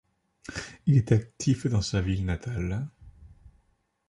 Il est actif dans sa ville natale.